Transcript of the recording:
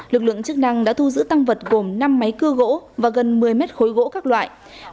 lực lượng chức năng đã thu giữ tăng vật gồm năm máy cưa gỗ và gần một mươi mét khối gỗ các loại